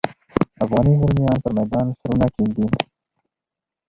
افغاني زلمیان پر میدان سرونه ږدي.